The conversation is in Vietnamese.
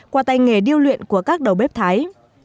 qua tay nghề điêu luyện của các đầu bếp thái